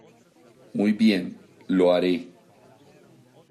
Muy bien, lo haré.